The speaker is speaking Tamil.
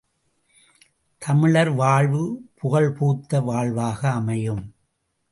தமிழர் வாழ்வு புகழ் பூத்த வாழ்வாக அமையும்.